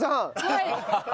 はい。